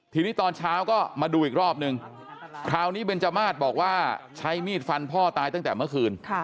ทีนี้ตอนเช้าก็มาดูอีกรอบนึงคราวนี้เบนจมาสบอกว่าใช้มีดฟันพ่อตายตั้งแต่เมื่อคืน